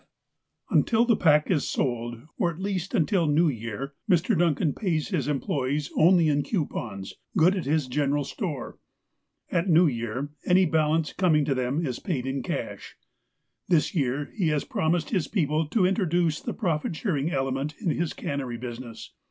THE METLAKAHTLA INDUSTRIES 357 Until the pack is sold, or at least until New Year, Mr. Duncan pays his employees only in coupons, good at his general store. At New Year, any balance coming to them is paid in cash. This year he has promised his people to introduce the profit sharing element in his cannery business.